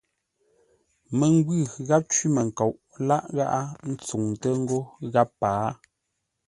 Məngwʉ̂ gháp cwímənkoʼ láʼ ngáʼá ntsuŋtə́ ńgó gháp pâa.